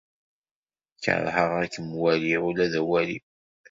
Keṛheɣ ad kem-waliɣ ula d awali.